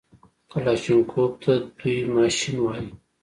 کلاشينکوف ته دوى ماشين وايي.